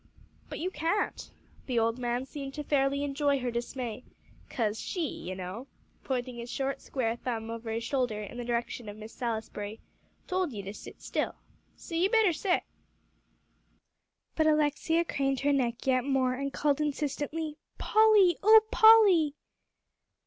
"But you can't," the old man seemed to fairly enjoy her dismay, "'cause she, you know," pointing a short square thumb over his shoulder in the direction of Miss Salisbury, "told ye to set still. So ye better set." But Alexia craned her neck yet more, and called insistently, "Polly oh, Polly!"